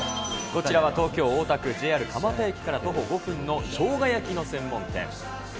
こちらは東京・大田区ＪＲ蒲田駅から徒歩５分の生姜焼きの専門店。